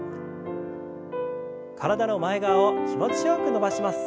体の前側を気持ちよく伸ばします。